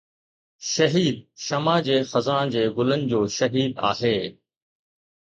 شهيد شمع جي خزان جي گلن جو شهيد آهي